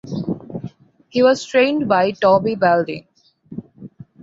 He was trained by Toby Balding.